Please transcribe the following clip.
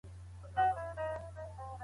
موږ به په ګډه دا شبکه لا پیاوړې کړو.